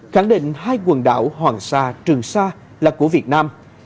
khẳng định hai quần đảo hoàng sa trường sa là của việt nam